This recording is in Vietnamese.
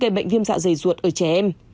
gây bệnh viêm dạ dày ruột ở trẻ em